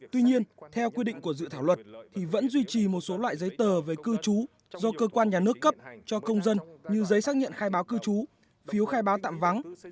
tuy nhiên theo quy định của dự thảo luật thì vẫn duy trì một số loại giấy tờ về cư trú do cơ quan nhà nước cấp cho công dân như giấy xác nhận khai báo cư trú phiếu khai báo tạm vắng